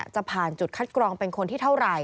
จะผ่านจุดคัดกรองเป็นคนที่เท่าไหร่